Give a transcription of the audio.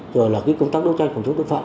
rồi là công tác đấu tranh phòng chống tội phạm